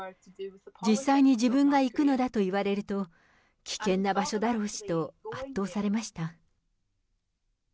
実際に自分が行くのだと言われると、危険な場所だろうしと圧倒されました。